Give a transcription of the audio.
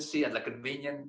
c adalah kemudahan